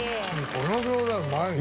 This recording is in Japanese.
この餃子うまいよね。